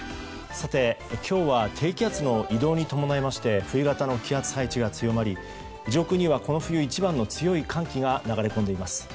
今日は低気圧の移動に伴いまして冬型の気圧配置が強まり上空には、この冬一番の強い寒気が流れ込んでいます。